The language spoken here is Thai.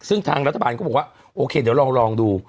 ซึ่งทางรัฐบาลก็บอกว่าโอเคเดี๋ยวลองดู